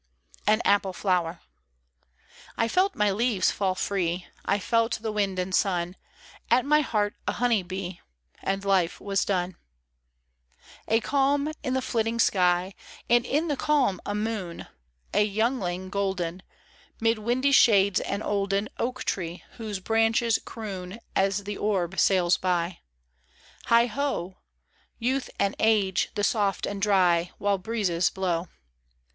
AN APPLE FLOWER. I FELT my leaves fall free, I felt the wind and sun. At my heart a honey bee : And life was done. A CALM in the flitting sky. And in the calm a moon, A youngling golden : *Mid windy shades an olden Oak tree whose branches croon As the orb sails by. Heigh ho 1 Youth and age, the soft and dry, While breezes blow.